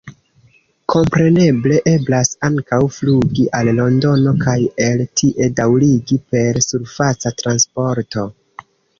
Kompreneble eblas ankaŭ flugi al Londono kaj el tie daŭrigi per surfaca transporto.